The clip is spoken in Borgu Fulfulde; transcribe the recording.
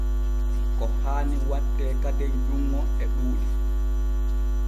Ko haani watte kaden junŋo e ɗuuɗi.